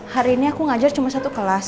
hari ini aku ngajar cuma satu kelas